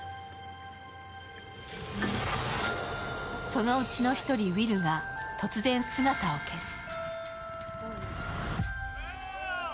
そのうちの１人、ウィルが突然、姿を消す。